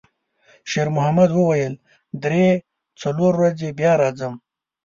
شېرمحمد وویل: «درې، څلور ورځې بیا راځم.»